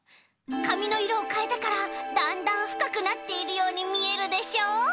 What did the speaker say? かみのいろをかえたからだんだんふかくなっているようにみえるでしょ。